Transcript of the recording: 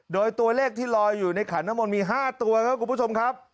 โดยตัวเลขที่ลอยอยู่ในขันน้ำมนต์มี๕ตัวครับคุณผู้ชมครับ